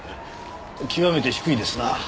極めて低いですな。